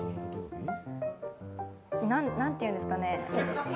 何ていうんですかね。